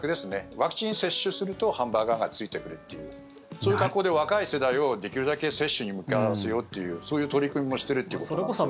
ワクチン接種するとハンバーガーがついてくるというそういう格好で若い世代をできるだけ接種に向かわせようというそういう取り組みもしてるってことなんですよね。